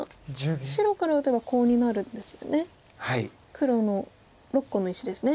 黒の６個の石ですね。